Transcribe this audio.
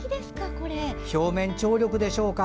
表面張力でしょうか。